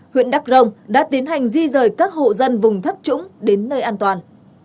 huyện đắc rồng đã tiến hành di rời các hộ dân vùng thấp trũng đến nơi an toàn